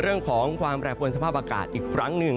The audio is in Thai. เรื่องของความแปรปวนสภาพอากาศอีกครั้งหนึ่ง